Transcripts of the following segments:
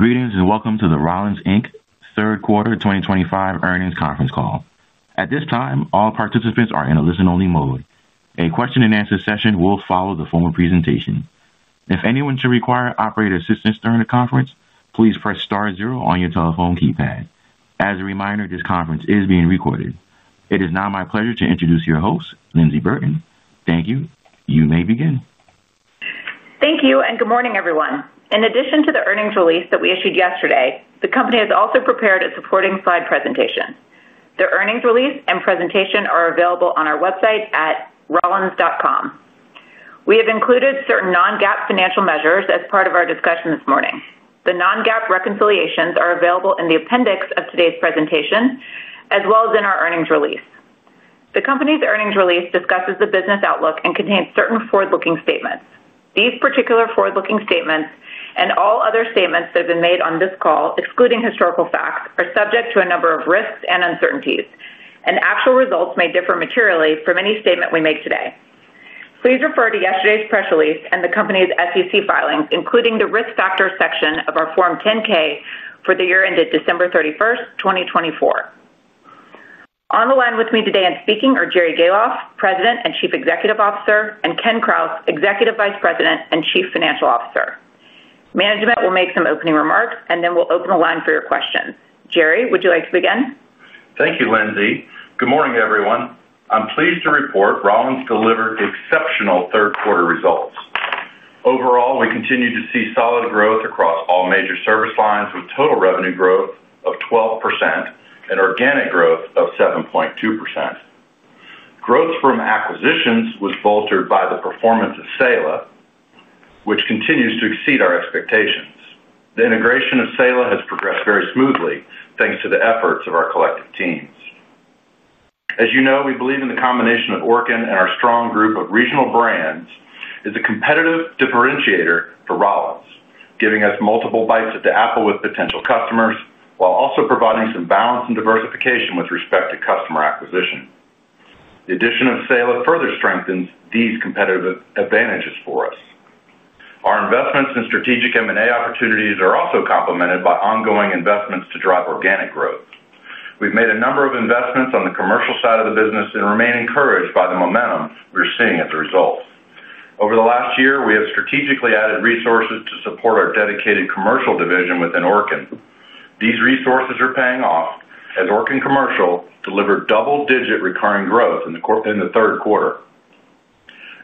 Greetings and welcome to the Rollins, Inc. third quarter 2025 earnings conference call. At this time, all participants are in a listen-only mode. A question and answer session will follow the formal presentation. If anyone should require operator assistance during the conference, please press Star 0 on your telephone keypad. As a reminder, this conference is being recorded. It is now my pleasure to introduce your host, Lyndsey Burton. Thank you. You may begin. Thank you and good morning everyone. In addition to the earnings release that we issued yesterday, the company has also prepared a supporting slide presentation. The earnings release and presentation are available on our website at rollins.com. We have included certain non-GAAP financial measures as part of our discussion this morning. The non-GAAP reconciliations are available in the appendix of today's presentation as well as in our earnings release. The company's earnings release discusses the business outlook and contains certain forward-looking statements. These particular forward-looking statements and all other statements that have been made on this call, excluding historical facts, are subject to a number of risks and uncertainties, and actual results may differ materially from any statement we make today. Please refer to yesterday's press release and the company's SEC filings, including the Risk Factors section of our Form 10-K for the year ended December 31st, 2024. On the line with me today and speaking are Jerry Gahlhoff, President and Chief Executive Officer, and Kenneth Krause, Executive Vice President and Chief Financial Officer. Management will make some opening remarks and then we'll open the line for your questions. Jerry, would you like to begin? Thank you, Lyndsey. Good morning, everyone. I'm pleased to report Rollins delivered exceptional third quarter results. Overall, we continue to see solid growth across all major service lines with total revenue growth of 12% and organic growth of 7.2%. Growth from acquisitions was bolstered by the performance of Saela, which continues to exceed our expectations. The integration of Saela has progressed very smoothly thanks to the efforts of our collective teams. As you know, we believe the combination of Orkin and our strong group of regional brands is a competitive differentiator for Rollins, giving us multiple bites at the apple with potential customers while also providing some balance and diversification with respect to customer acquisition. The addition of Saela further strengthens these competitive advantages for us. Our investments in strategic M&A opportunities are also complemented by ongoing investments to drive organic growth. We've made a number of investments on the commercial side of the business and remain encouraged by the momentum we're seeing. As a result. Over the last year, we have strategically added resources to support our dedicated commercial division within Orkin. These resources are paying off as Orkin Commercial delivered double-digit recurring growth in the third quarter.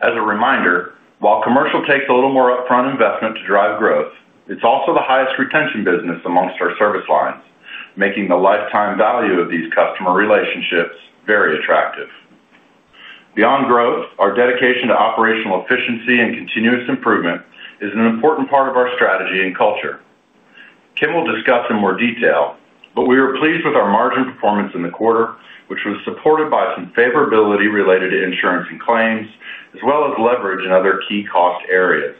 As a reminder, while Commercial takes a little more upfront investment to drive growth, it's also the highest retention business amongst our service lines, making the lifetime value of these customer relationships very attractive. Beyond growth, our dedication to operational efficiency and continuous improvement is an important part of our strategy and culture. Kim will discuss in more detail, but we were pleased with our margin performance in the quarter, which was supported by some favorability related to insurance and claims as well as leverage in other key cost areas.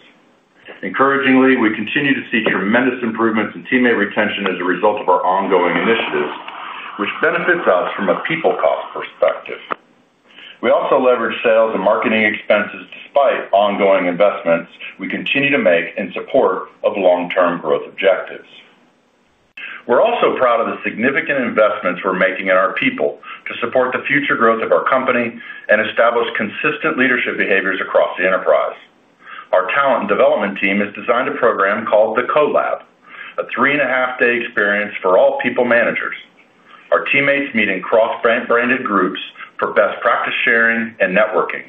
Encouragingly, we continue to see tremendous improvements in teammate retention as a result of our ongoing initiatives, which benefits us from a people cost perspective. We also leverage sales and marketing expenses. Despite ongoing investments we continue to make in support of long-term growth objectives, we're also proud of the significant investments we're making in our people to support the future growth of our company and establish consistent leadership behaviors across the enterprise. Our talent and development team has designed a program called the CO Lab, a three and a half day experience for all people managers. Our teammates meet in cross-branded groups for best practice sharing and networking.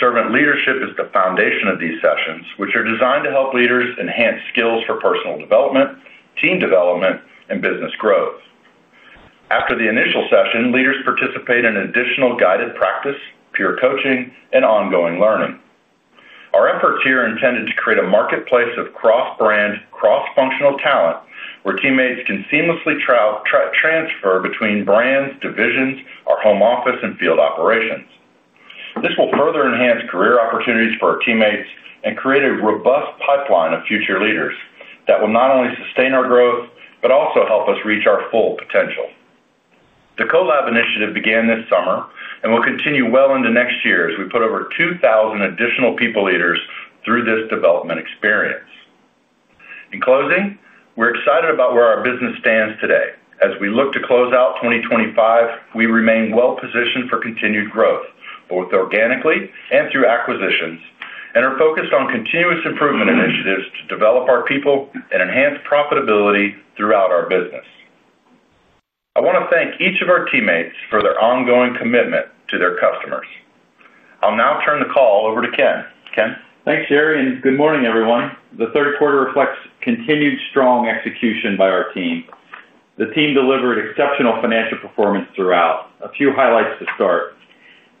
Servant leadership is the foundation of these sessions, which are designed to help leaders enhance skills for personal development, team development, and business growth. After the initial session, leaders participate in additional guided practice, peer coaching, and ongoing learning. Our efforts here are intended to create a marketplace of cross-brand, cross-functional talent where teammates can seamlessly transfer between brands, divisions, our home office, and field operations. This will further enhance career opportunities for our teammates and create a robust pipeline of future leaders that will not only sustain our growth, but also help us reach our full potential. The CO Lab initiative began this summer and will continue well into next year as we put over 2,000 additional people leaders through this development experience. In closing, we're excited about where our business stands today as we look to close out 2025. We remain well positioned for continued growth both organically and through acquisitions, and are focused on continuous improvement initiatives to develop our people and enhance profitability throughout our business. I want to thank each of our teammates for their ongoing commitment to their customers. I'll now turn the call over to. Thanks Jerry and good morning everyone. The third quarter reflects continued strong execution by our team. The team delivered exceptional financial performance throughout. A few highlights to start,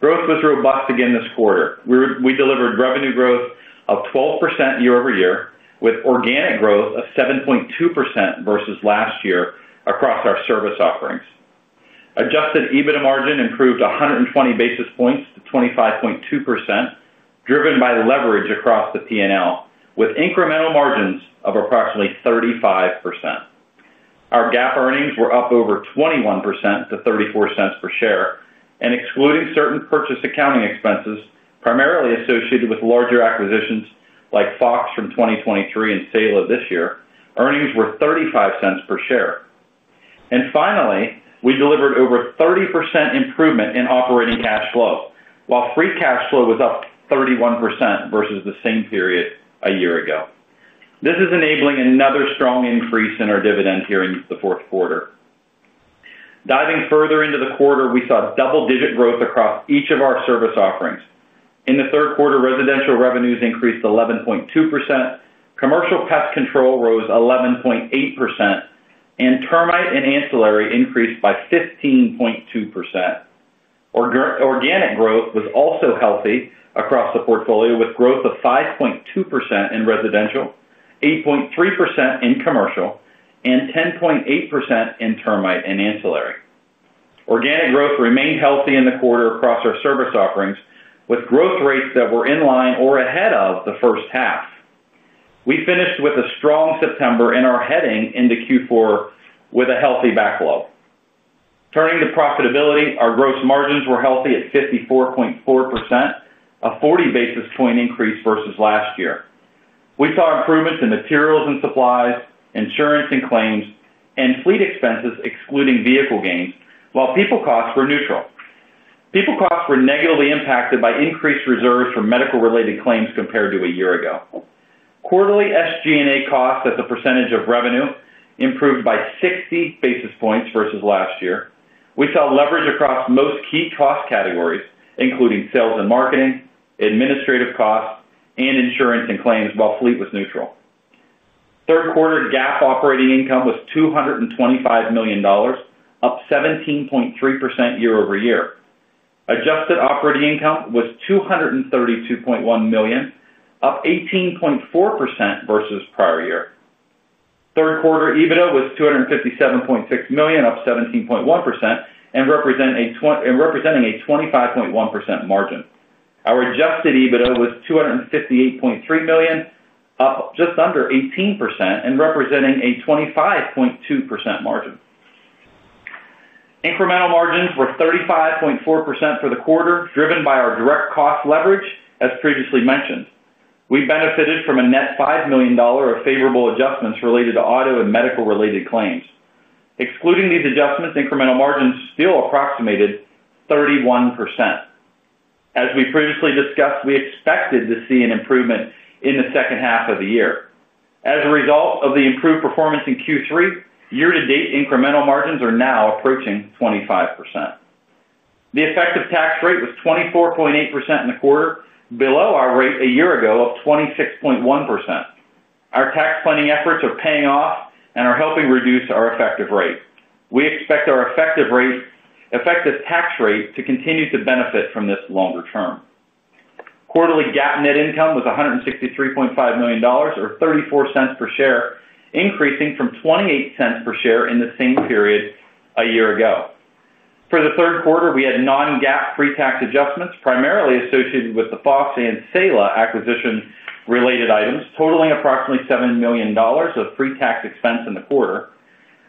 growth was robust again this quarter. We delivered revenue growth of 12% year-over-year with organic growth of 7.2% versus last year across our service offerings. Adjusted EBITDA margin improved 120 basis points to 25.2% driven by leverage across the P&L with incremental margins of approximately 35%. Our GAAP earnings were up over 21% to $0.34 per share and excluding certain purchase accounting expenses primarily associated with larger acquisitions like Fox from 2023 and Saela Pest Control this year, earnings were $0.35 per share. Finally, we delivered over 30% improvement in operating cash flow while free cash flow was up 31% versus the same period a year ago. This is enabling another strong increase in our dividend here in the fourth quarter. Diving further into the quarter, we saw double-digit growth across each of our service offerings in the third quarter. Residential revenues increased 11.2%, commercial pest control rose 11.8%, and termite and ancillary increased by 15.2%. Organic growth was also healthy across the portfolio with growth of 5.2% in residential, 8.3% in commercial, and 10.8% in termite and ancillary. Organic growth remained healthy in the quarter across our service offerings with growth rates that were in line or ahead of the first half. We finished with a strong September and are heading into Q4 with a healthy backlog. Turning to profitability, our gross margins were healthy at 54.4%, a 40 basis point increase versus last year. We saw improvements in materials and supplies, insurance and claims, and fleet expenses excluding vehicle gains, while people costs were neutral. People costs were negatively impacted by increased reserves for medical-related claims compared to a year ago. Quarterly SG&A costs as a percentage of revenue improved by 60 basis points versus last year. We saw leverage across most key cost categories including sales and marketing, administrative costs, and insurance and claims, while fleet was neutral. Third quarter GAAP operating income was $225 million, up 17.3% year-over-year. Adjusted operating income was $232.1 million, up 18.4% versus prior year. Third quarter EBITDA was $257.6 million, up 17.1% and representing a 25.1% margin. Our adjusted EBITDA was $258.3 million, up just under 18% and representing a 25.2% margin. Incremental margins were 35.4% for the quarter, driven by our direct cost leverage. As previously mentioned, we benefited from a net $5 million of favorable adjustments related to auto and medical related claims. Excluding these adjustments, incremental margins still approximated 31%. As we previously discussed, we expected to see an improvement in the second half of the year as a result of the improved performance in Q3 year to date. Incremental margins are now approaching 25%. The effective tax rate was 24.8% in the quarter, below our rate a year ago of 26.1%. Our tax planning efforts are paying off and are helping reduce our effective rate. We expect our effective tax rate to continue to benefit from this longer term. Quarterly GAAP net income was $163.5 million, or $0.34 per share, increasing from $0.28 per share in the same period a year ago. For the third quarter, we had non-GAAP pre-tax adjustments primarily associated with the Fox and Saela acquisition related items totaling approximately $7 million of pre-tax expense in the quarter.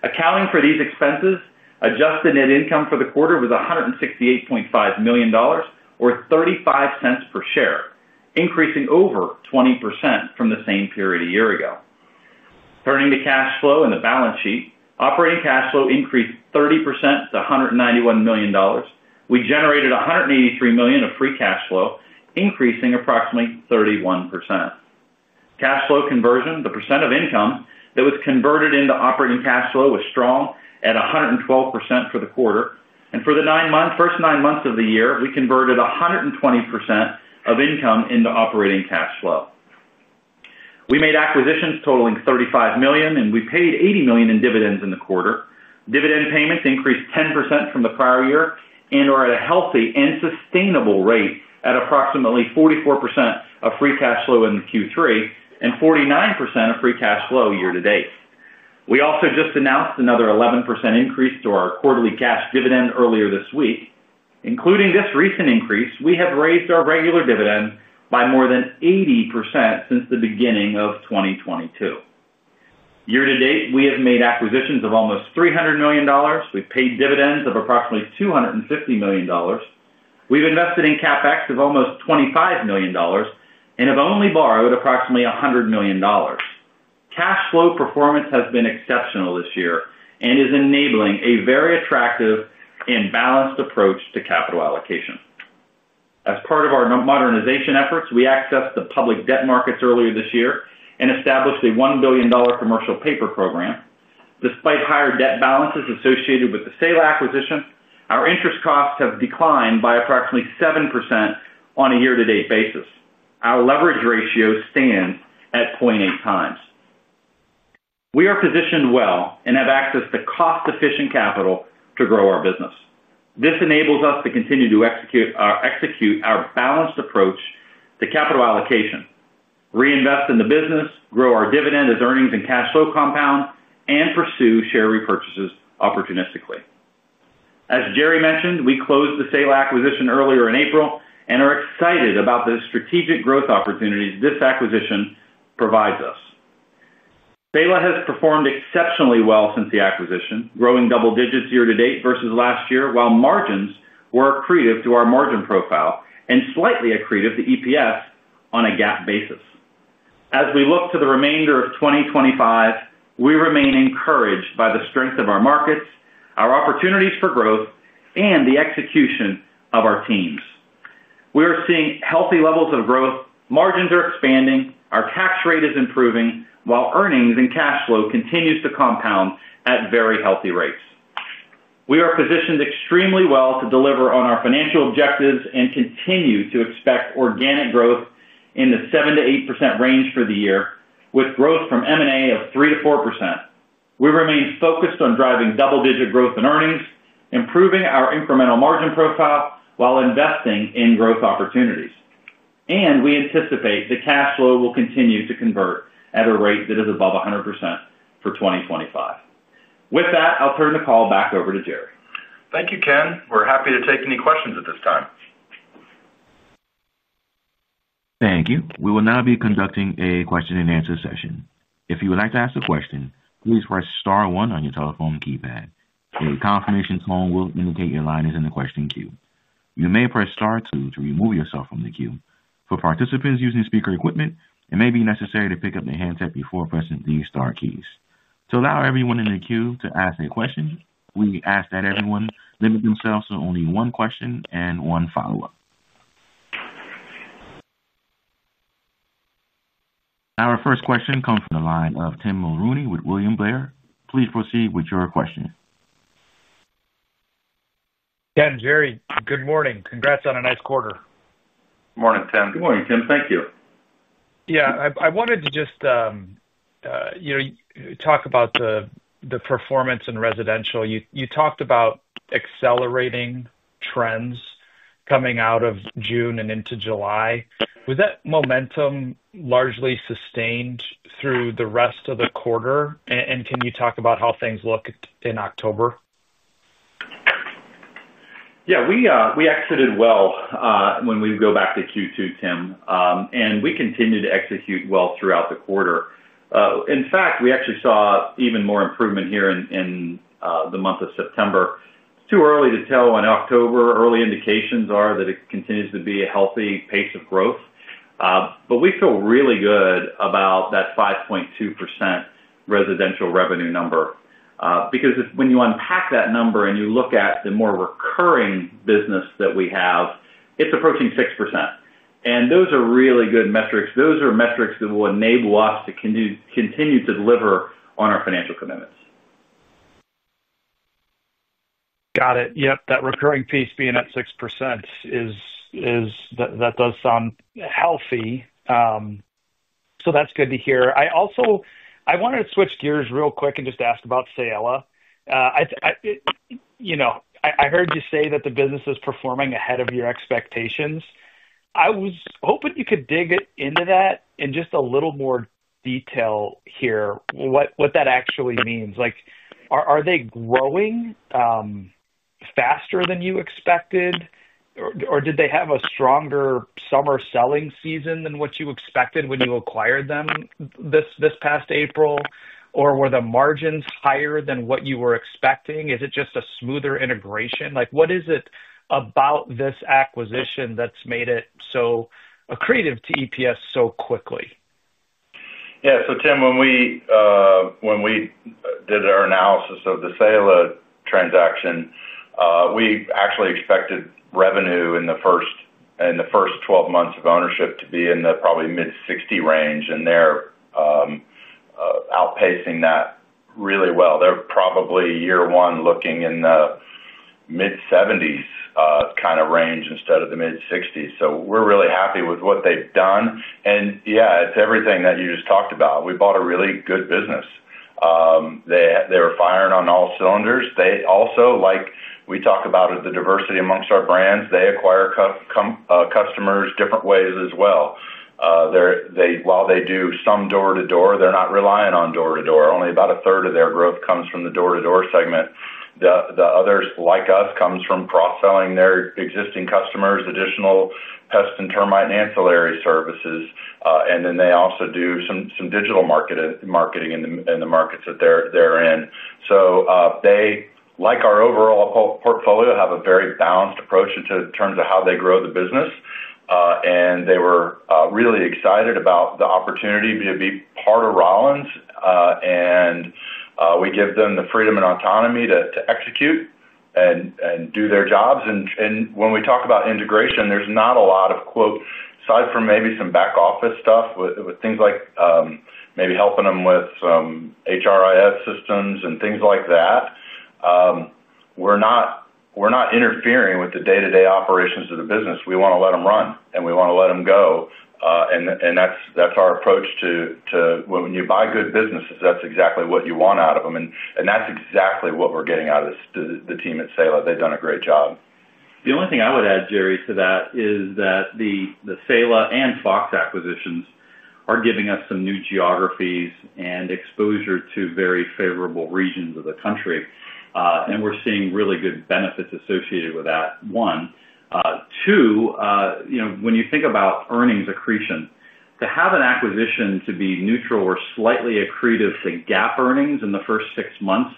Accounting for these expenses, adjusted net income for the quarter was $168.5 million, or $0.35 per share, increasing over 20% from the same period a year ago. Turning to cash flow and the balance sheet, operating cash flow increased 30% to $191 million. We generated $183 million of free cash flow, increasing approximately 31%. Cash flow conversion, the percent of income that was converted into operating cash flow, was strong at 112% for the quarter and for the nine months. First nine months of the year, we converted 120% of income into operating cash flow. We made acquisitions totaling $35 million, and we paid $80 million in dividends in the quarter. Dividend payments increased 10% from the prior year and are at a healthy and sustainable rate at approximately 44% of free cash flow in Q3 and 49% of free cash flow year to date. We also just announced another 11% increase to our quarterly cash dividend earlier this week. Including this recent increase, we have raised our regular dividend by more than 80% since the beginning of 2022. Year-to-date, we have made acquisitions of almost $300 million. We paid dividends of approximately $250 million. We've invested in CapEx of almost $25 million and have only borrowed approximately $100 million. Cash flow performance has been exceptional this year and is enabling a very attractive and balanced approach to capital allocation. As part of our modernization efforts, we accessed the public debt markets earlier this year and established a $1 billion commercial paper program. Despite higher debt balances associated with the Saela acquisition, our interest costs have declined by approximately 7% on a year-to-date basis. Our leverage ratio stands at 0.8x. We are positioned well and have access to cost efficient capital to grow our business. This enables us to continue to execute our balanced approach to capital allocation, reinvest in the business, grow our dividend as earnings and cash flow compound, and pursue share repurchases opportunistically. As Jerry mentioned, we closed the Saela acquisition earlier in April and are excited about the strategic growth opportunities this acquisition provides us. Saela has performed exceptionally well since the acquisition, growing double digits year-to-date versus last year. While margins were accretive to our margin profile and slightly accretive to EPS on a GAAP basis, as we look to the remainder of 2025, we remain encouraged by the strength of our markets, our opportunities for growth, and the execution of our teams. We are seeing healthy levels of growth, margins are expanding, our tax rate is improving while earnings and cash flow continue to compound at very healthy rates. We are positioned extremely well to deliver on our financial objectives and continue to expect organic growth in the 7%-8% range for the year with growth from M&A of 3%-4%. We remain focused on driving double digit growth in earnings, improving our incremental margin profile while investing in growth opportunities, and we anticipate the cash flow will continue to convert at a rate that is above 100% for 2025. With that, I'll turn the call back over to Jerry. Thank you, Ken. We're happy to take any questions at this time. Thank you. We will now be conducting a question and answer session. If you would like to ask a question, please press star one on your telephone keypad. A confirmation tone will indicate your line is in the question queue. You may press star two to remove yourself from the queue. For participants using speaker equipment, it may be necessary to pick up the handset before pressing these star keys. To allow everyone in the queue to ask a question, we ask that everyone limit themselves to only one question and one follow up. Our first question comes from the line of Tim Mulrooney with William Blair. Please proceed with your question. Ken, Jerry, good morning. Congrats on a nice quarter. Morning, Tim. Good morning, Tim. Thank you. I wanted to just—you talk about the performance in residential. You talked about accelerating trends coming out of June and into July. Was that momentum largely sustained through the rest of the quarter? Can you talk about how things look in October? We exited well when we go back to Q2, Tim, and we continue to execute well throughout the quarter. In fact, we actually saw even more improvement here in the month of September. It's too early to tell in October. Early indications are that it continues to be a healthy pace of growth. We feel really good about that 5.2% residential revenue number because when you unpack that number and you look at the more recurring business that we have, it's approaching 6% and those are really good metrics. Those are metrics that will enable us to continue to deliver on our financial commitments. Got it. That recurring piece being at 6% is—that does sound healthy. That's good to hear. I also wanted to switch gears real quick and just ask about Saela. I heard you say that the business is performing ahead of your expectations. I was hoping you could dig into that in just a little more detail here, what that actually means. Are they growing faster than you expected or did they have a stronger summer selling season than what you expected when you acquired them this past April, or were the margins higher than what you were expecting? Is it just a smoother integration? What is it about this acquisition that's made it so accretive to EPS so quickly? Yeah, Tim, when we did our analysis of the Saela transaction, we actually expected revenue in the first 12 months of ownership to be in the probably mid-$60 million range. They're outpacing that really well. They're probably year one looking in the mid-$70 million kind of range instead of the mid-$60 million. We're really happy with what they've done. It's everything that you just talked about. We bought a really good business. They were firing on all cylinders. They also, like we talk about the diversity amongst our brands, acquire customers different ways as well. While they do some door to door, they're not relying on door to door. Only about a third of their growth comes from the door to door segment. The others, like us, comes from cross selling their existing customers additional pest and termite and ancillary services. They also do some digital marketing in the markets that they're in. They, like our overall portfolio, have a very balanced approach in terms of how they grow the business. They were really excited about the opportunity to be part of Rollins and we give them the freedom and autonomy to execute and do their jobs. When we talk about integration, there's not a lot of quote, aside from maybe some back office stuff with things like maybe helping them with HRIS systems and things like that. We're not interfering with the day-to-day operations of the business. We want to let them run and we want to let them go. That's our approach to when you buy good businesses, that's exactly what you want out of them. That's exactly what we're getting out of this. The team at Saela, they've done a great job. The only thing I would add, Jerry, to that is that the Saela and Fox acquisitions are giving us some new geographies and exposure to very favorable regions of the country. We're seeing really good benefits associated with that. One, two, when you think about earnings accretion, to have an acquisition be neutral or slightly accretive to GAAP earnings in the first six months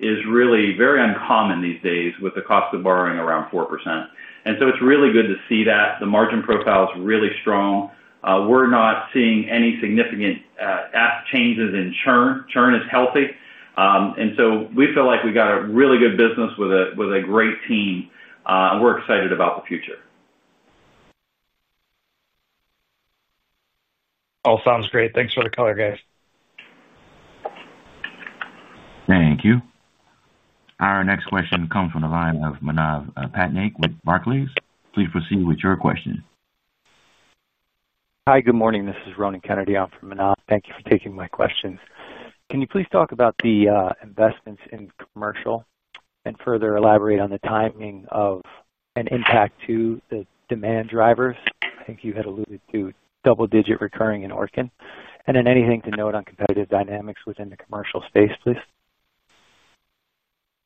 is really very uncommon these days with the cost of borrowing around 4%. It's really good to see that the margin profile is really strong. We're not seeing any significant changes in churn. Churn is healthy, and we feel like we got a really good business with a great team and we're excited about the future. All sounds great. Thanks for the color, guys. Thank you. Our next question comes from the line of Manav Patnaik with Barclays. Please proceed with your question. Hi, good morning. This is Ronan Kennedy. I'm from Manav. Thank you for taking my questions. Can you please talk about the investments in commercial and further elaborate on the timing of an impact to the demand drivers. I think you had alluded to demand. Double digit recurring in Orkin, and then anything to note on competitive dynamics within the commercial space, please.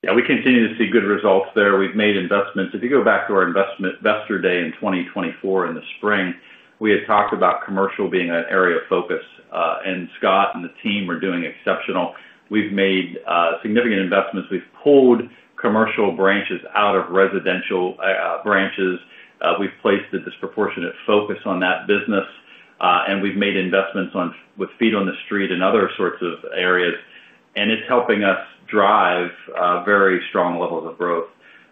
Yeah, we continue to see good results there. We've made investments. If you go back to our investment best year day in 2024 in the spring, we had talked about commercial being an area of focus, and Scott and the team are doing exceptional. We've made significant investments. We've pulled commercial branches out of residential branches. We've placed a disproportionate focus on that business, and we've made investments with feet on the street and other sorts of areas, and it's helping us drive very strong levels of growth.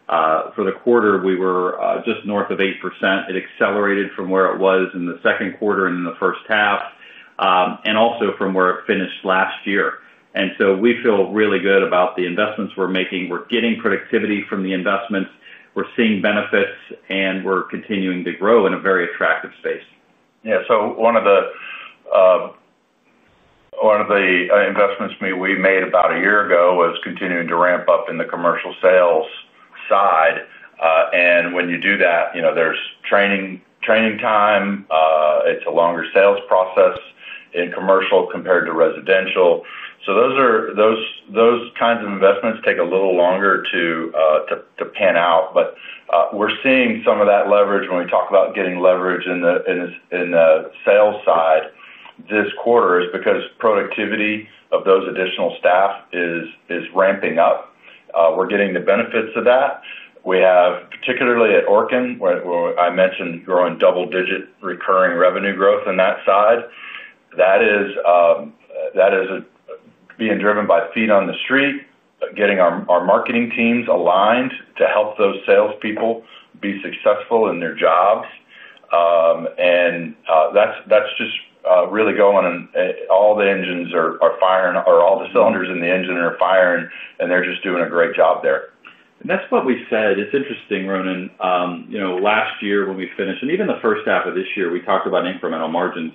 For the quarter, we were just north of 8%. It accelerated from where it was in the second quarter and in the first half, and also from where it finished last year. We feel really good about the investments we're making. We're getting productivity from the investments. We're seeing benefits, and we're continuing to grow in a very attractive space. Yes. So. One of the investments we made about a year ago was continuing to ramp up in the commercial sales side. When you do that, there's training time. It's a longer sales process in commercial compared to residential. Those kinds of investments take a little longer to pan out. We're seeing some of that leverage when we talk about getting leverage in the sales side this quarter because productivity of those additional staff is ramping up. We're getting the benefits of that. We have, particularly at Orkin, I mentioned growing double-digit recurring revenue growth on that side that is being driven by feet on the street, getting our marketing teams aligned to help those salespeople be successful in their jobs. That's just really going. All the engines are firing, or all the cylinders in the engine are firing, and they're just doing a great job there. That's what we said. It's interesting, Ronan, last year when we finished and even the first half of this year we talked about incremental margins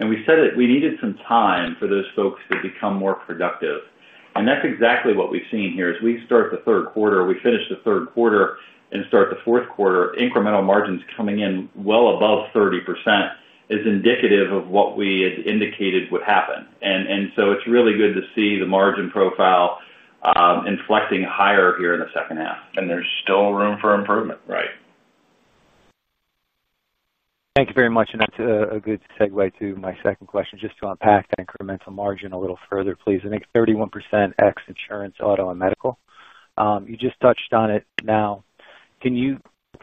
and we said that we needed some time for those folks to become more productive. That's exactly what we've seen here. As we start the third quarter, we finish the third quarter and start the fourth quarter, incremental margins coming in well above 30% is indicative of what we had indicated would happen. It's really good to see the margin profile inflecting higher here in the second half and there's still room for improvement. Right? Thank you very much. That's a good segue to my second question. Just to unpack the incremental margin a little further, please. I think 31% insurance, auto and medical, you just touched on it. Now, can you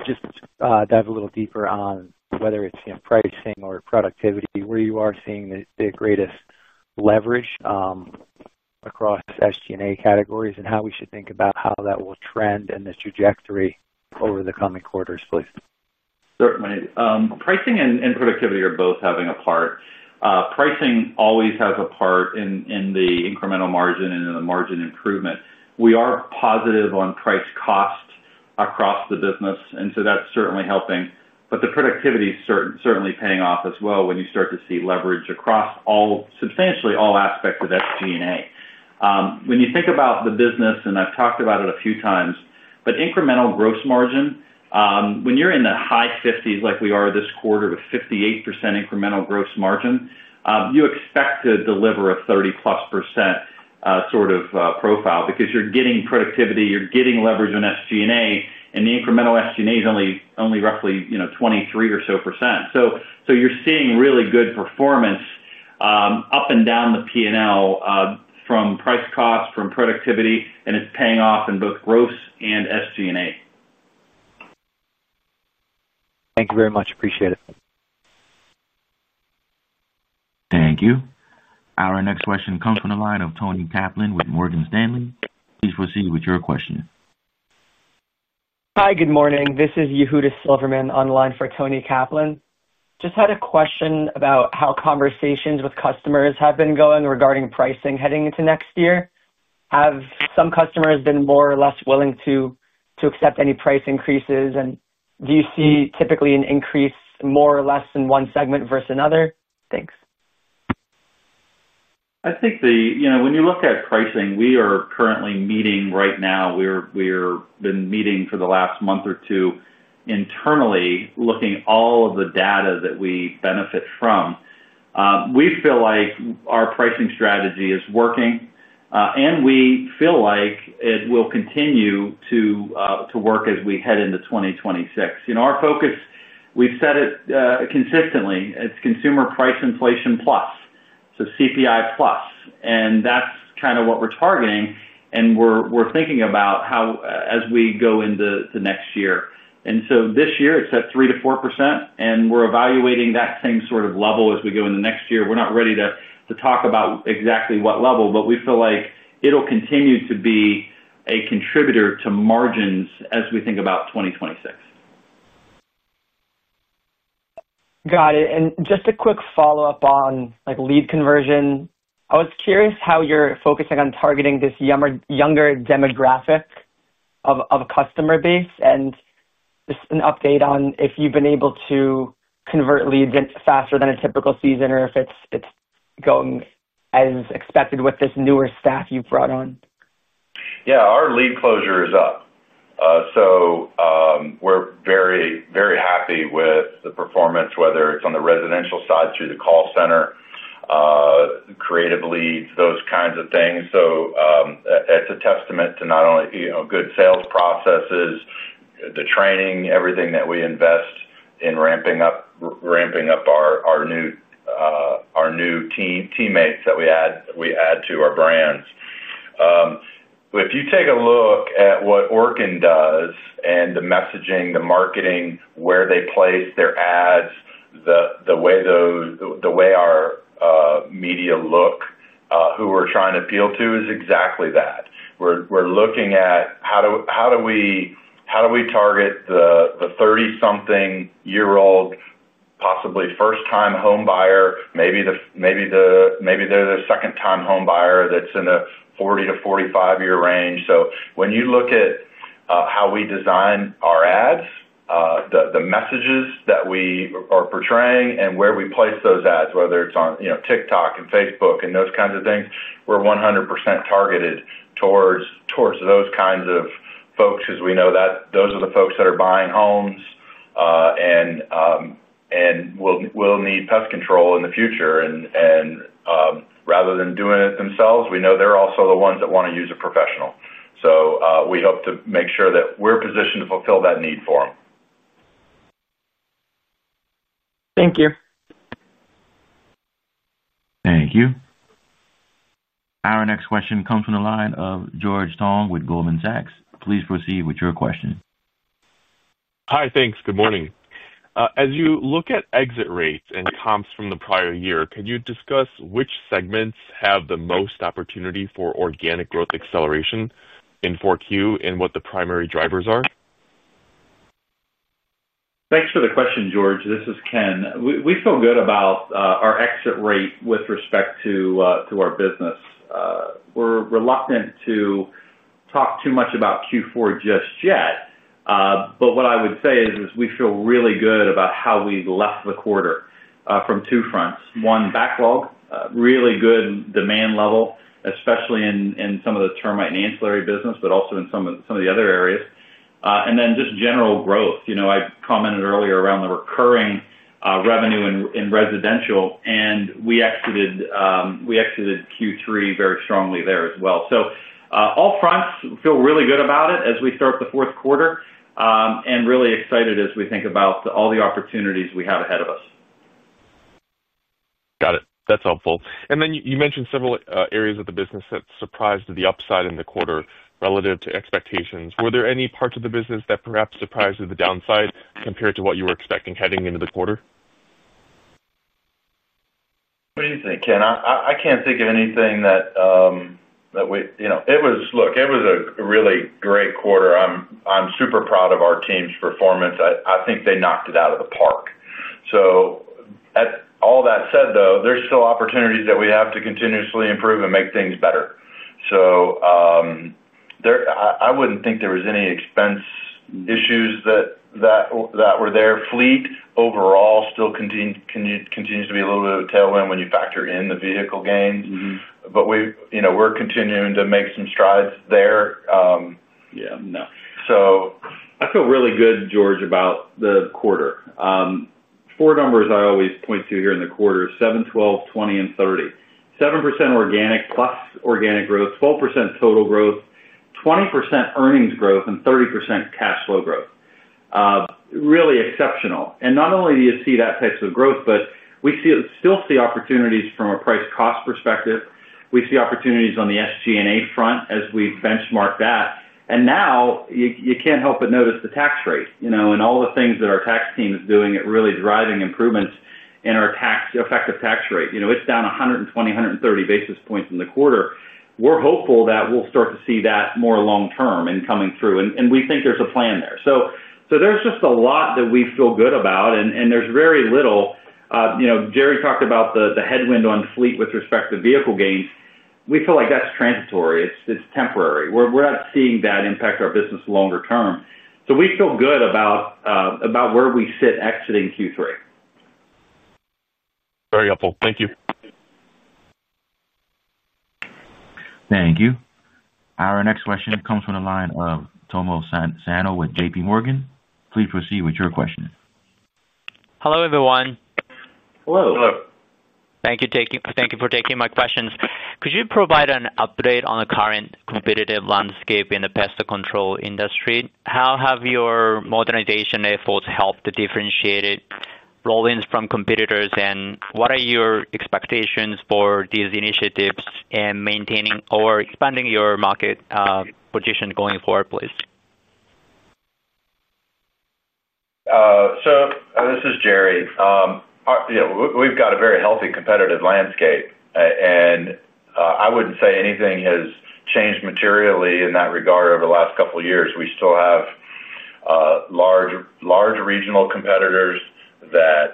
just dive a little deeper on whether it's pricing or productivity where you are seeing the greatest leverage across SG&A categories and how we should think about how that will trend and the trajectory over the coming quarters, please? Certainly pricing and productivity are both having a part. Pricing always has a part in the incremental margin and in the margin improvement. We are positive on price cost across the business and that's certainly helping. The productivity is certainly paying off as well. When you start to see leverage across all, substantially all aspects of SG&A, when you think about the business and I've talked about it a few times, but incremental gross margin, when you're in the high 50s like we are this quarter with 58% incremental gross margin, you expect to deliver a 30+% sort of profile because you're getting productivity, you're getting leverage on SG&A. The incremental SG&A is only roughly 23% or so. You're seeing really good performance up and down the P&L from price cost, from productivity, and it's paying off in both gross and SG&A. Thank you very much. Appreciate it. Thank you. Our next question comes from the line of Toni Kaplan with Morgan Stanley. Please proceed with your question. Hi, good morning, this is Yehuda Silverman online for Toni Kaplan. Just had a question about how conversations with customers have been going regarding pricing heading into next year. Have some customers been more or less willing to accept any price increases? Do you see typically an increase more? Or less in one segment versus another? When you look at pricing, we are currently meeting right now, we've been meeting for the last month or two internally looking at all of the data that we benefit from. We feel like our pricing strategy is working, and we feel like it will continue to work as we head into 2026. Our focus, we've said it consistently, is consumer price inflation plus, so CPI-plus, and that's kind of what we're targeting. We're thinking about how as we go into next year, and so this year it's at 3%-4%, and we're evaluating that same sort of level as we go into next year. We're not ready to talk about exactly what level, but we feel like it'll continue to be a contributor to margins as we think about 2026. Got it. Just a quick follow up on lead conversion. I was curious how you're focusing on targeting this younger demographic of customer base. I was also wondering if you've been able to convert leads faster than a typical season or if it's going as expected with this newer staff you've brought on. Yeah, our lead closure is up, so we're very, very happy with the performance, whether it's on the residential side, through the call center, creative leads, those kinds of things. It's a testament to not only good sales processes, the training, everything that we invest in ramping up our new teammates that we add to our brands. If you take a look at what Orkin does and the messaging, the marketing. Where they place their ads, the way. Our media look, who we're trying to appeal to, is exactly that. We're looking at how do we target the 30-something-year-old, possibly first-time home buyer, maybe they're the second-time homebuyer that's in a 40 year-45 year range. When you look at how we design our ads, the messages that we are portraying, and where we place those ads, whether it's on TikTok and Facebook and those kinds of things, we're 100% targeted towards those kinds of folks as we know that those are the folks that are buying homes and will need pest control in the future. Rather than doing it themselves, we know they're also the ones that want to use a professional. We hope to make sure that we're positioned to fulfill that need for them. Thank you. Thank you. Our next question comes from the line of George Tong with Goldman Sachs. Please proceed with your question. Hi. Thanks. Good morning. As you look at exit rates and comps from the prior year, could you? Discuss which segments have the most opportunity for organic growth, acceleration in 4Q. What the primary drivers are? Thanks for the question, George. This is Ken. We feel good about our exit rate with respect to our business. We're reluctant to talk too much about Q4 just yet, but what I would say is we feel really good about how we left the quarter from two fronts. One, backlog, really good demand level, especially in some of the termite and ancillary business, but also in some of the other areas and then just general growth. I commented earlier around the recurring revenue in residential and we exited Q3 very strongly there as well. All fronts feel really good about it as we start the fourth quarter and really excited as we think about all the opportunities we have ahead of us. Got it. That's helpful. You mentioned several areas of the business that surprised to the upside in the quarter relative to expectations. Were there any parts of the business that perhaps surprised you to the downside compared to what you were expecting heading into the quarter? What do you think, Ken? I can't think of anything that we, you know, it was, look, it was a really great quarter. I'm super proud of our team's performance. I think they knocked it out of the park. So. All that said, there's still opportunities that we have to continuously improve and make things better. I wouldn't think there was any expense issues that were there. Fleet overall still continues to be a little bit of a tailwind when you factor in the vehicle gains, but we're continuing to make some strides there. Yeah, no. I feel really good, George, about the Q4 numbers. I always point to here in the quarter: 7%, 12%, 20%, and 37% organic plus organic growth, 12% total growth, 20% earnings growth, and 30% cash flow growth. Really exceptional. Not only do you see those types of growth, but we still see opportunities from a price-cost perspective. We see opportunities on the SG&A front as we benchmark that. You can't help but notice the tax rate, you know, and all the things that our tax team is doing, really driving improvements in our effective tax rate. It's down 120, 130 basis points in the quarter. We're hopeful that we'll start to see that more long term and coming through. We think there's a plan there. There's just a lot that we feel good about and there's very little. Jerry talked about the headwind on fleet with respect to vehicle gains. We feel like that's transitory. It's temporary. We're not seeing that impact our business longer term. We feel good about where we sit exiting Q3. Very helpful. Thank you. Thank you. Our next question comes from the line of Tomo Sano with JPMorgan. Please proceed with your question. Hello everyone. Hello. Hello. Thank you for taking my questions. Could you provide an update on the current competitive landscape in the pest control industry? How have your modernization efforts helped the. Differentiated Rollins from competitors and what are your expectations for these initiatives and maintaining or expanding your market position going forward? Please. We have a very healthy competitive landscape, and I wouldn't say anything has changed materially in that regard over the last couple years. We still have large regional competitors that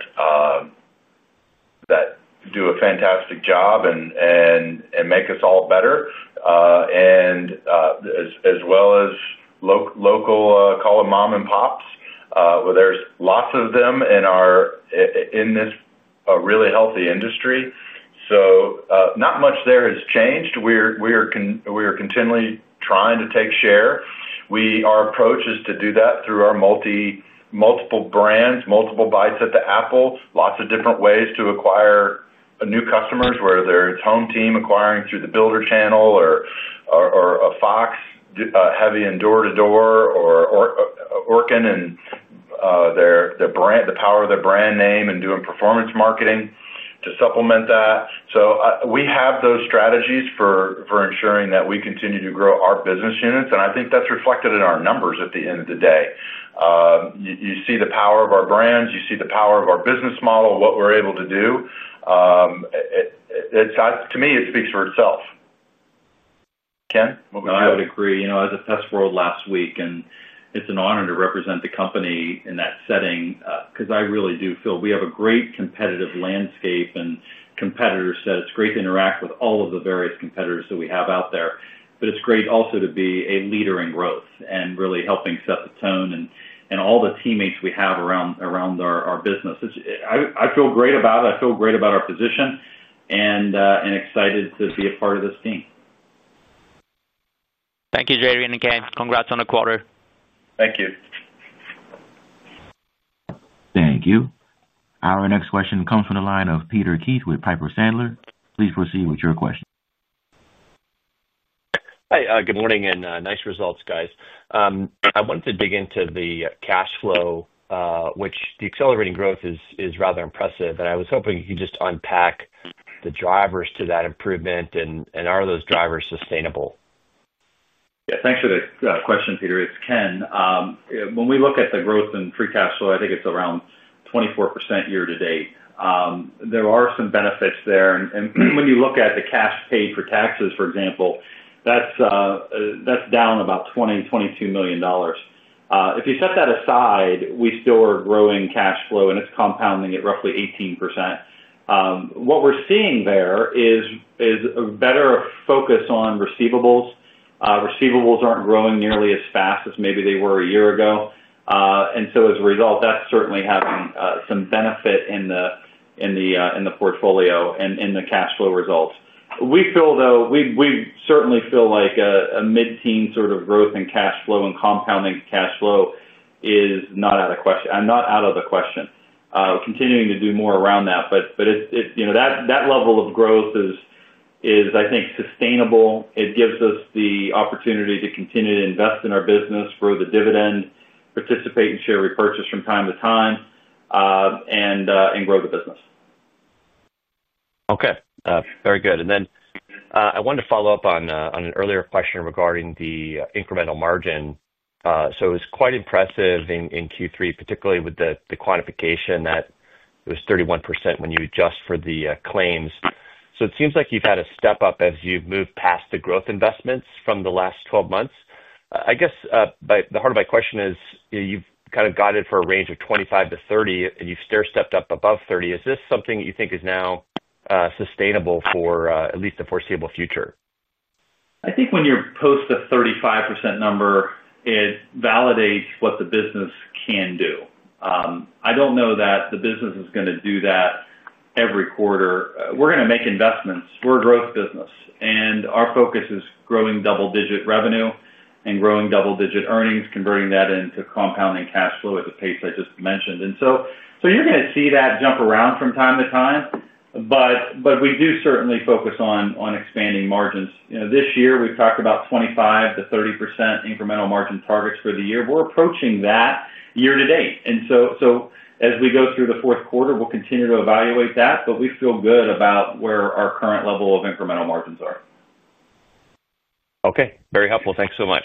do a fantastic job and make us. All better. As well as local, call them mom and pops. There's lots of them in this really healthy industry. Not much there has changed. We are continually trying to take share. Our approach is to do that through our multiple brands, multiple bites at the apple, lots of different ways to acquire new customers, whether it's HomeTeam Pest Defense, Inc. acquiring through the builder channel or Fox heavy in door to door, or Orkin and their brand, the power of their brand name and doing performance marketing to supplement that. We have those strategies for ensuring that we continue to grow our business units, and I think that's reflected in our numbers. At the end of the day, you see the power of our brands, you see the power of our business model, what we're able to do. To me, it speaks for itself. Ken. I would agree. You know I was at PestWorld last week and it's an honor to represent the company in that setting because I really do feel we have a great competitive landscape and competitors. It's great to interact with all of the various competitors that we have out there. It's great also to be a leader in growth and really helping set the tone and all the teammates we have around our business. I feel great about it. I feel great about our position and excited to be a part of this team. Thank you. Jerry and Ken, congrats on the quarter. Thank you. Thank you. Our next question comes from the line of Peter Keith with Piper Sandler. Please proceed with your question. Hi, good morning and nice results, guys. I wanted to dig into the cash flow, which the accelerating growth is rather impressive, and I was hoping you could. Just unpack the drivers to that improvement. Are those drivers sustainable? Thanks for the question, Peter. It's Ken. When we look at the growth in free cash flow, I think it's around 24% year-to-date. There are some benefits there. When you look at the cash paid for taxes, for example, that's down about $20 million, $22 million. If you set that aside, we still are growing cash flow and it's compounding at roughly 18%. What we're seeing there is a better focus on receivables. Receivables aren't growing nearly as fast as maybe they were a year ago. As a result, that's certainly having some benefit in the portfolio and in the cash flow results. We feel, though, we certainly feel like a mid-teens sort of growth in cash flow and compounding cash flow is. Not out of question, not out of. The question, continuing to do more around that. That level of growth is, I think, sustainable. It gives us the opportunity to continue to invest in our business, grow the dividend, participate in share repurchase from time to time, and grow the business. Okay, very good. I wanted to follow up on an earlier question regarding the incremental margin. It was quite impressive in Q3, particularly with the quantification that it was 31% when you adjust for the claims. It seems like you've had a step up as you've moved past the growth investments from the last 12 months. I guess the heart of my question is you've kind of guided for a range of 25%-30% and you've stair-stepped up above 30%. Is this something you think is now sustainable for at least the foreseeable future? I think when you're post the 35% number, it validates what the business can do. I don't know that the business is going to do that every quarter. We're going to make investments. We're a growth business and our focus is growing double-digit revenue and growing double-digit earnings, converting that into compounding cash flow at the pace I just mentioned. You're going to see that jump around from time to time. We do certainly focus on expanding margins. This year we've talked about 25%-30% incremental margin targets for the year. We're approaching that year-to-date. As we go through the fourth quarter, we'll continue to evaluate that, but we feel good about where our current level of incremental margins are. Okay, very helpful. Thanks so much.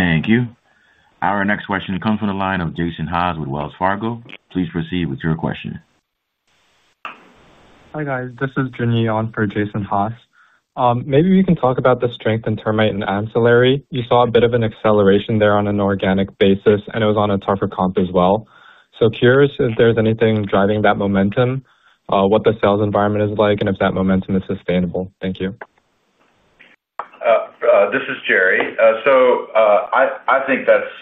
Thank you. Our next question comes from the line of Jason Haas with Wells Fargo. Please proceed with your question. Hi guys, this is Jenny on for Jason Haas. Maybe we can talk about the strength in termite and ancillary. You saw a bit of an acceleration. There on an organic basis, and it was on a tougher comp as well. Curious if there's anything driving that momentum, what the sales environment is like, and if that momentum is sustainable. Thank you. This is Jerry. I think that's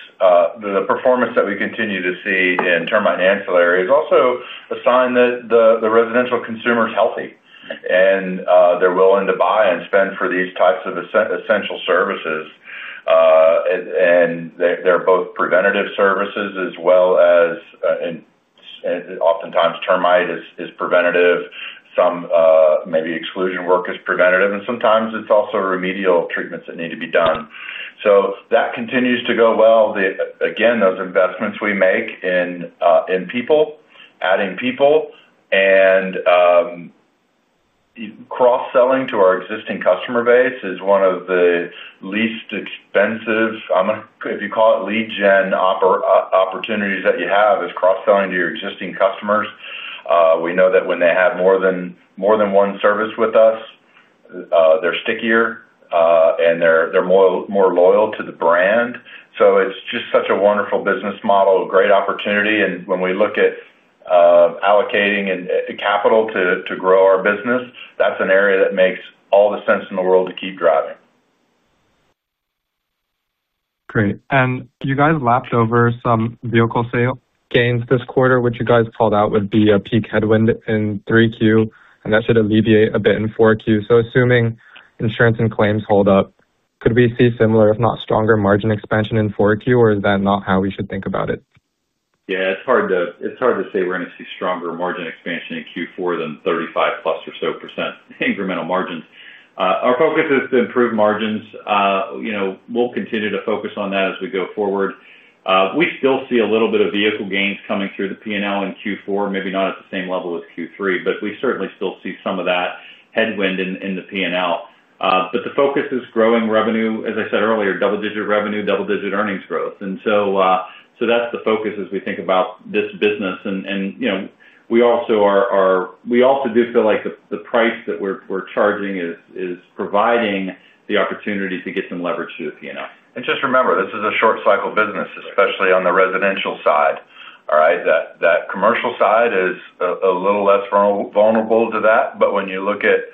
the performance that we continue to see in termite. Ancillary is also a sign that the residential consumer is healthy and they're willing to buy and spend for these types of essential services. They're both preventative services as well as, and oftentimes termite is preventative. Some maybe exclusion work is preventative and sometimes it's also remedial treatments that need to be done. That continues to go well. Those investments we make in people, adding people and cross selling to our existing customer base is one of the least expensive, if you call it lead gen opportunities that you have, is cross selling to your existing customers. We know that when they have more than one service with us, they're stickier and they're more loyal to the brand. It's just such a wonderful business model, great opportunity. When we look at allocating capital to grow our business, that's an area that makes all the sense in the world to keep driving. Great. You guys lapped over some vehicle sale gains this quarter, which you guys called out would be a peak headwind in 3Q and that should alleviate a bit in 4Q. Assuming insurance and claims hold up, could we see similar, if not stronger margin expansion in 4Q, or is that not how we should think about it? Yeah, it's hard to. It's hard to say. We're going to see stronger margin expansion in Q4 than 35%+ or so incremental margins. Our focus is to improve margins. You know, we'll continue to focus on that as we go forward. We still see a little bit of vehicle gains coming through the P&L in Q4, maybe not at the same level as Q3, but we certainly still see some of that headwind in the P&L. The focus is growing revenue, as I said earlier, double-digit revenue, double-digit earnings growth. That's the focus as we think about this business, and we also do feel like the price that we're charging is providing the opportunity to get some leverage through the P&L. Just remember this is a short cycle business, especially on the residential side. All right. The commercial side is a little less vulnerable to that. When you look at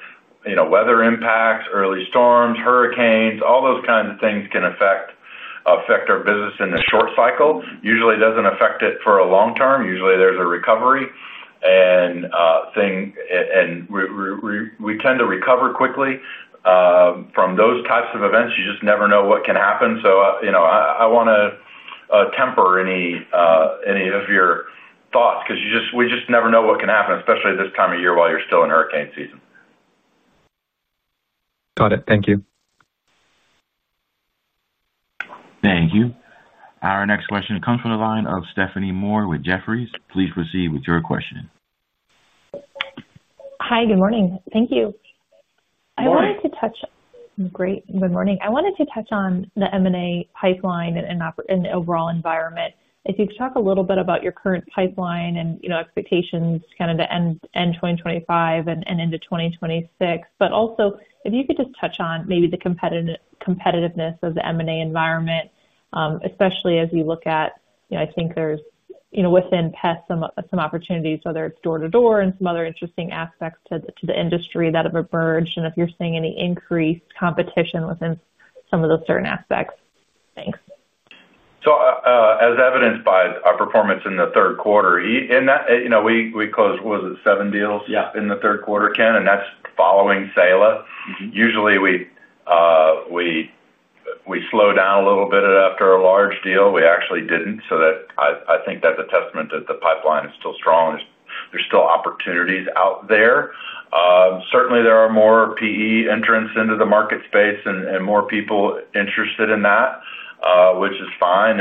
weather impacts, early storms, hurricanes, all those kinds of things can affect our business in the short cycle. It usually doesn't affect it for the long term. Usually there's a recovery, and we tend to recover quickly from those types of events. You just never know what can happen. I want to temper any of your thoughts because we just never know what can happen, especially this time of year while you're still in hurricane season. Got it. Thank you. Thank you. Our next question comes from the line of Stephanie Moore with Jefferies. Please proceed with your question. Hi, good morning. Thank you. I wanted to touch on the M&A pipeline and overall environment. If you could talk a little bit about your current pipeline and expectations kind of to end 2025 and into 2026. Also, if you could just touch on maybe the competitiveness of the M&A environment, especially as you look at, I think there's within pest some opportunities, whether it's door to door and some other interesting aspects to the industry that have emerged. If you're seeing any increased competition within some of those certain aspects. Thanks. As evidenced by our performance in the third quarter, we closed, was it seven deals in the third quarter, Ken, and that's following Saela. Usually, we slowed down a little bit after a large deal. We actually didn't. I think that's a testament that the pipeline is still strong. There's still opportunities out there. Certainly, there are more PE entrants into the market space and more people interested in that, which is fine.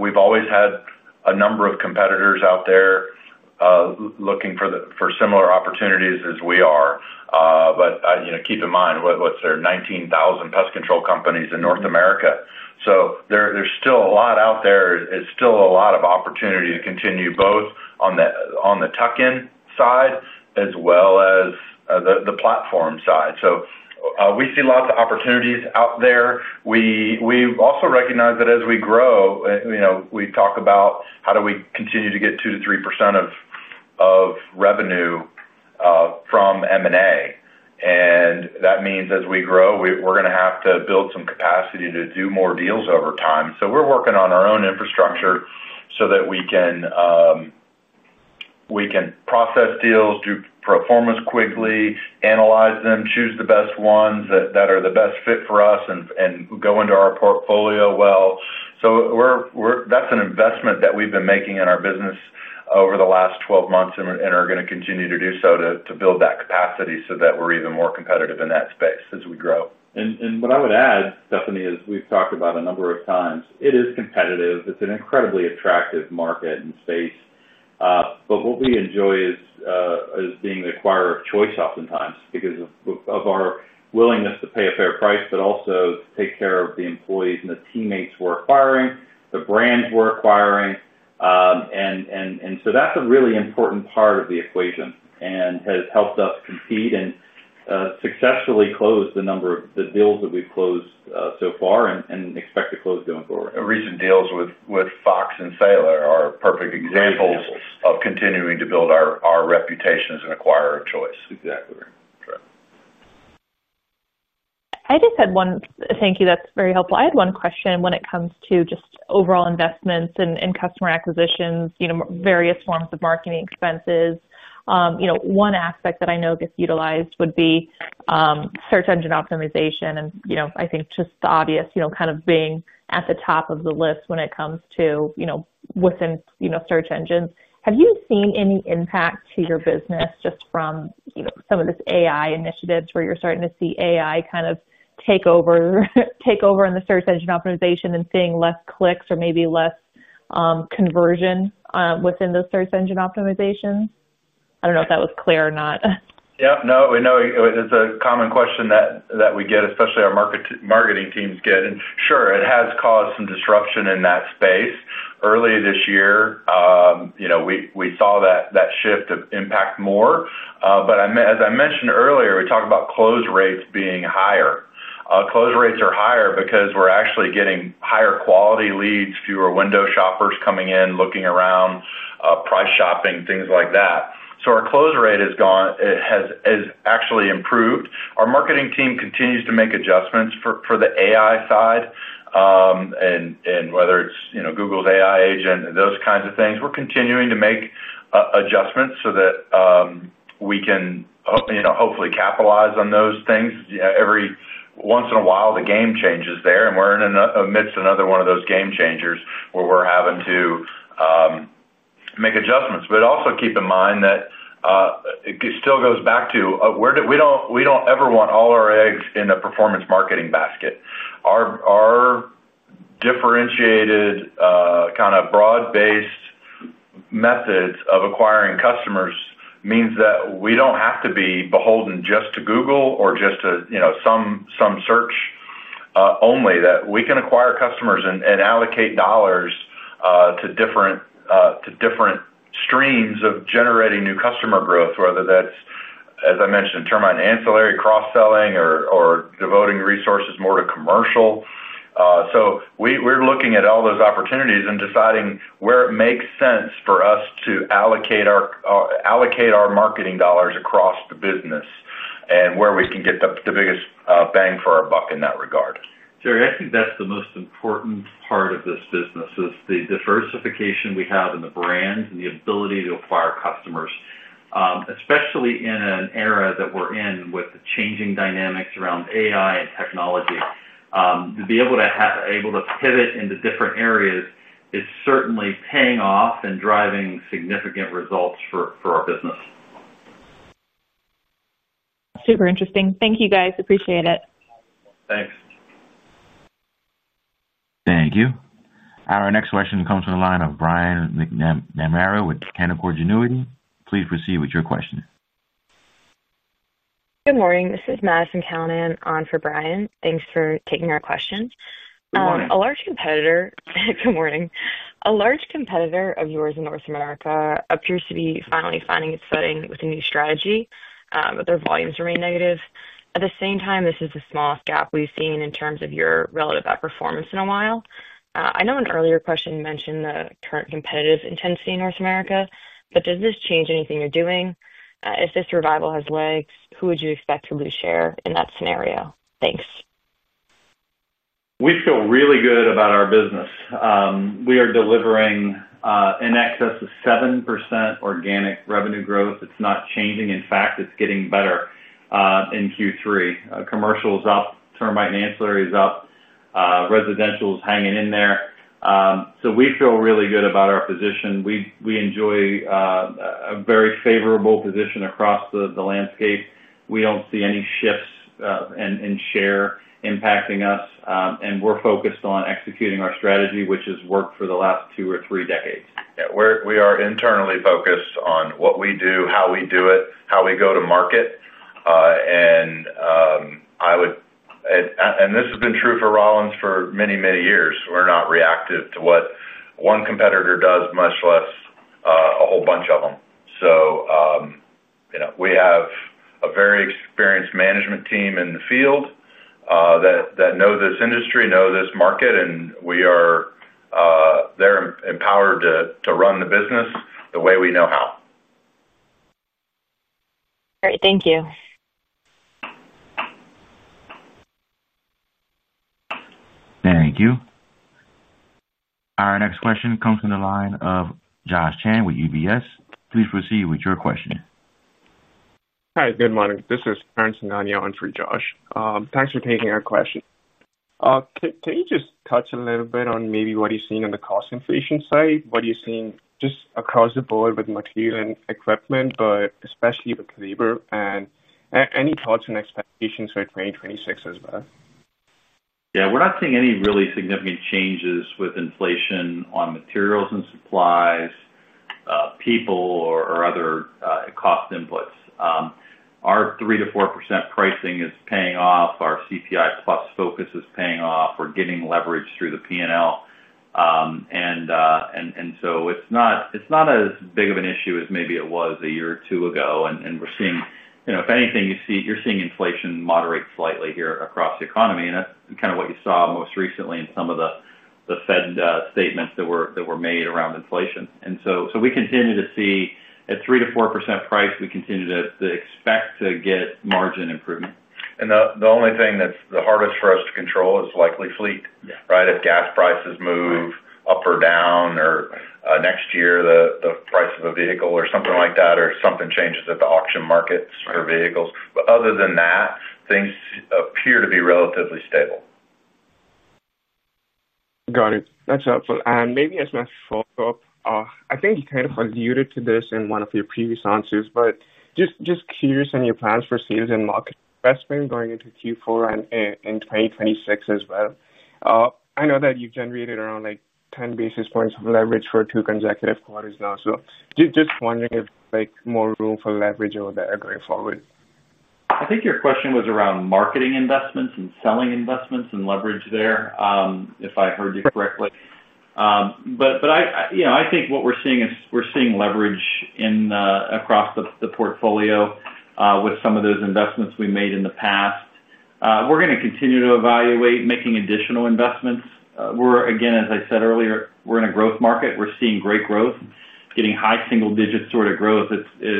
We've always had a number of competitors out there looking for similar opportunities as we are. Keep in mind, what's there, 19,000 pest control companies in North America. There's still a lot out there. It's still a lot of opportunity to continue both on the tuck-in side as well as the platform side. We see lots of opportunities out there. We also recognize that as we grow, we talk about how do we continue to get 2 to 3% of revenue from M&A. That means as we grow, we're going to have to build some capacity to do more deals over time. We're working on our own infrastructure so that we can process deals, do performance quickly, analyze them, choose the best ones that are the best fit for us, and go into our portfolio well. That's an investment that we've been making in our business over the last 12 months and are going to continue to do so to build that capacity so that we're even more competitive in that space as we grow. What I would add, Stephanie, as we've talked about a number of times, it is competitive, it's an incredibly attractive market and space. What we enjoy is being the acquirer of choice, oftentimes because of our willingness to pay a fair price, but also to take care of the employees and the teammates we're acquiring, the brands we're acquiring. That's a really important part of the equation and has helped us compete and successfully close the number of the deals that we've closed so far and expect to close going forward. Recent deals with Fox and Saela are perfect examples of continuing to build our reputation as an acquirer of choice. Exactly. Thank you. That's very helpful. I had one question. When it comes to overall investments and customer acquisitions, various forms of marketing expenses, one aspect that I know gets utilized would be search engine optimization. I think just the obvious, kind of being at the top of the list when it comes to, within search engines. Have you seen any impact to your business just from some of these AI initiatives where you're starting to see AI kind of take over in the search engine optimization and seeing fewer clicks or maybe less conversion within the search engine optimization? I don't know if that was clear or not. Yeah, no, we know it's a common question that we get, especially our marketing teams get. It has caused some disruption in that space. Early this year we saw that shift of impact more. As I mentioned earlier, we talked about close rates being higher. Close rates are higher because we're actually getting higher quality leads, fewer window shoppers coming in, looking around, price shopping, things like that. Our close rate has actually improved. Our marketing team continues to make adjustments for the AI side and whether it's Google's AI agent, those kinds of things. We're continuing to make adjustments so that we can hopefully capitalize on those things. Every once in a while, the game changes there and we're amidst another one of those game changers where we're having to make adjustments. Also keep in mind that it still goes back to we don't ever want all our eggs in a performance marketing basket. Our differentiated kind of broad-based methods of acquiring customers means that we don't have to be beholden just to Google or just some search, only that we can acquire customers and allocate dollars to different streams of generating new customer growth. Whether that's, as I mentioned, termite ancillary cross selling or devoting resources more to commercial. We're looking at all those opportunities and deciding where it makes sense for us to allocate our marketing dollars across the business and where we can get the biggest bang for our buck in that regard. Jerry, I think that's the most important part of this business, the diversification we have in the brands and the ability to acquire customers. Especially in an era that we're in with the changing dynamics around AI and technology, to be able to pivot into different areas. It's certainly paying off and driving significant results for our business. Super interesting. Thank you, guys. Appreciate it. Thanks. Thank you. Our next question comes from the line of Brian McNamara with Canaccord Genuity. Please proceed with your question. Good morning, this is Madison Callanan on for Brian. Thanks for taking our question. A large competitor of yours in North America appears to be finally finding with a new strategy, but their volumes remain negative at the same time. This is the smallest gap we've seen in terms of your relative outperformance in a while. I know an earlier question mentioned the current competitive intensity in North America, but does this change anything you're doing? If this revival has legs, who would you expect to lose share in that scenario? Thanks. We feel really good about our business. We are delivering in excess of 7% organic revenue growth. It's not changing. In fact, it's getting better. In Q3, commercial is up, termite and ancillary is up, and residential is hanging in there. We feel really good about our position. We enjoy a very favorable position across the landscape. We don't see any shifts in share impacting us, and we're focused on executing our strategy, which has worked for the last two or three decades. We are internally focused on what we do, how we do it, how we go to market. This has been true for Rollins for many, many years. We're not reactive to what one competitor does, much less a whole bunch of them. We have a very experienced management team in the field that know this industry, know this market, and we are there empowered to run the business. Way we know how. Great. Thank you. Thank you. Our next question comes from the line of Josh Chan with UBS. Please proceed with your question. Hi, good morning, this is Anaya on Free. Josh, thanks for taking our question. Can you just touch a little bit on maybe what you're seeing on the cost inflation side, what you're seeing just across the board with material and equipment, but especially with labor, and any thoughts and expectations for 2026 as well? Yeah, we're not seeing any really significant changes with inflation on materials and supplies, people, or other cost inputs. Our 3%-4% pricing is paying off, our CPI-plus focus is paying off. We're getting leverage through the P&L, and it's not as big of an issue as maybe it was a year or two ago. We're seeing, you know, if anything, you're seeing inflation moderate slightly here across the economy. That's kind of what you saw most recently in some of the Fed statements that were made around inflation. We continue to see at 3%-4% price, we continue to expect to get margin improvement. The only thing that's the hardest for us to control is likely fleet, right? If gas prices move up or down, or next year the price of a vehicle or something like that, or something changes at the auction market for vehicles. Other than that, things appear to be relatively stable. Got it. That's helpful. Maybe as my follow up, I think you kind of alluded to this in one of your previous answers, but just curious on your plans for sales and market investment going into Q4 and in 2026 as well. I know that you've generated around 10 basis points of leverage for two consecutive quarters now. Just wondering if there's more room for leverage over there going forward. I think your question was around marketing investments and selling investments and leverage there, if I heard you correctly. I think what we're seeing is we're seeing leverage across the portfolio with some of those investments we made in the past. We're going to continue to evaluate making additional investments. Again, as I said earlier, we're in a growth market. We're seeing great growth. Getting high single digit sort of growth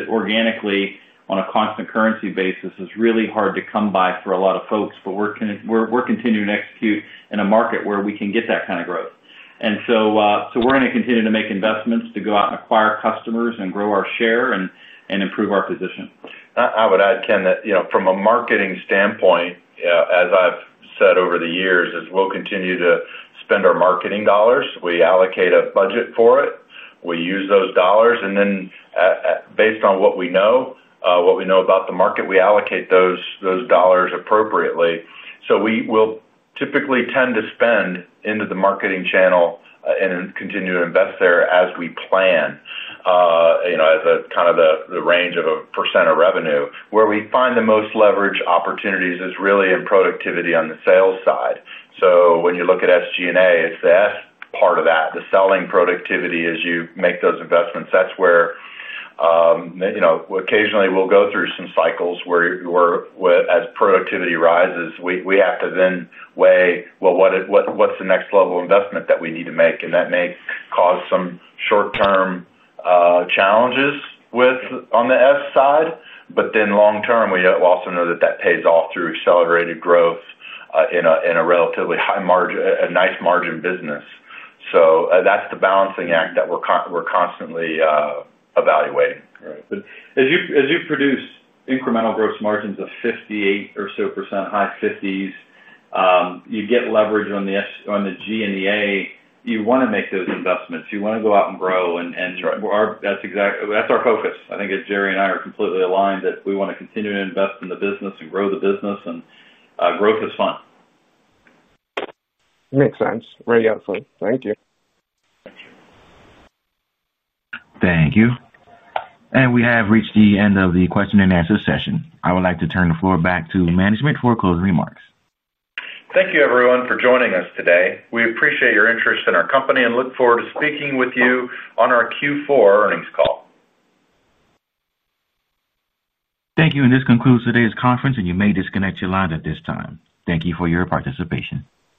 organically on a constant currency basis is really hard to come by for a lot of folks. We're continuing to execute in a market where we can get that kind of growth. We're going to continue to make investments to go out and acquire customers and grow our share and improve our position. I would add, Ken, that from a marketing standpoint, as I've said over the years, we'll continue to spend our marketing dollars. We allocate a budget for it, we use those dollars, and then based on what we know about the market, we allocate those dollars appropriately. We will typically tend to spend into the marketing channel and continue to invest there as we plan as kind of the range of a percentage of revenue. Where we find the most leverage opportunities is really in productivity on the sales side. When you look at SG&A, it's the S part of that, the selling productivity. As you make those investments, that's where, you know, occasionally we'll go through some cycles where as productivity rises, we have to then weigh what's the next level investment that we need to make. That may cause some short term challenges on the S side, but long term, we also know that that pays off through accelerated growth in a relatively high margin, a nice margin business. That's the balancing act that we're constantly evaluating. As you produce incremental gross margins of 58% or so, high 50s, you get leverage on the G and the A. You want to make those investments, you. Want to go out and grow. That is our focus. I think Jerry and I are completely aligned that we want to continue to invest in the business and grow the business. Growth is fun. Makes sense. Very helpful. Thank you. Thank you. We have reached the end of the question and answer session. I would like to turn the floor back to management for closing remarks. Thank you, everyone, for joining us today. We appreciate your interest in our company and look forward to speaking with you. On our Q4 earnings call, thank you. This concludes today's conference. You may disconnect your lines at this time. Thank you for your participation.